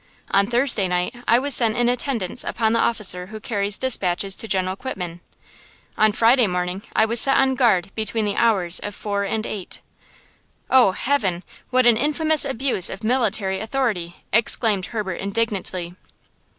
On Thursday night I was sent in attendance upon the officer who carried despatches to General Quitman. On Friday morning I was set on guard between the hours of four and eight!" "Oh, heaven, what an infamous abuse of military authority!" exclaimed Herbert, indignantly.